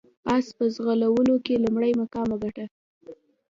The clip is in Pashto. اس په ځغلولو کې لومړی مقام وګاټه.